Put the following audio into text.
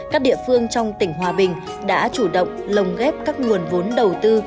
các địa phương trong tỉnh hòa bình đã chủ động lồng ghép các nguồn vốn đầu tư